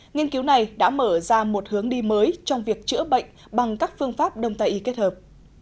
nghiên cứu này đã mở ra một hướng đi mới trong việc chữa bệnh bằng các phương pháp đông tay y kết hợp